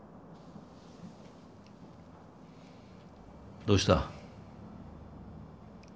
どうした？